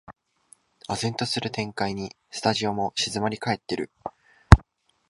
唖然とする展開にスタジオも静まりかえってる